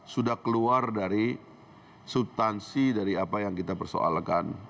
sudah keluar dari subtansi dari apa yang kita persoalkan